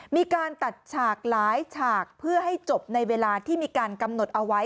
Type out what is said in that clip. มีการตัดฉากหลายฉากเพื่อให้จบในเวลาที่มีการกำหนดเอาไว้